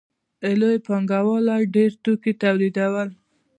لویو پانګوالو ډېر توکي تولیدول